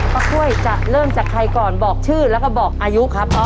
กล้วยจะเริ่มจากใครก่อนบอกชื่อแล้วก็บอกอายุครับ